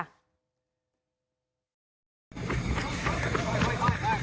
ค่อย